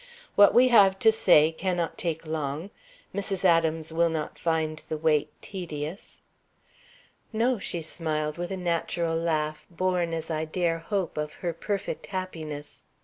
"What we have to say cannot take long. Mrs. Adams will not find the wait tedious." "No," she smiled, with a natural laugh, born, as I dare hope, of her perfect happiness.